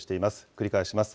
繰り返します。